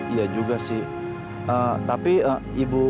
iya juga sih tapi ibu